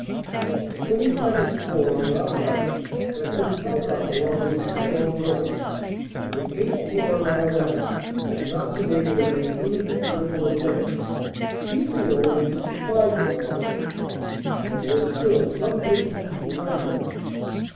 "The XXII Corps on our right had been held up along the Ecaillon River, and the VIII Corps on our left had not been able to make any considerable advance, chiefly owing to supply difficulties, and were still some distance behind us.